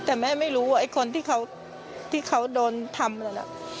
แต่แม่ไม่รู้ว่าคนที่เขาโดนทำ